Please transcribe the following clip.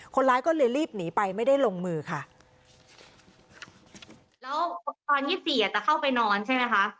คนร้ายก็เลยรีบหนีไปไม่ได้ลงมือค่ะแล้วตอนยี่สิบสี่อ่ะจะเข้าไปนอนใช่ไหมคะ